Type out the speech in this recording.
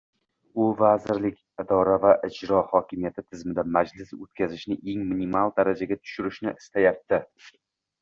U vazirlik, idora va ijro hokimiyati tizimida majlis oʻtkazishni eng minimal darajaga tushirishni istayapti.